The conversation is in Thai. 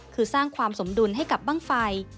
คือสร้างความสมดุลให้กับบ้างไฟ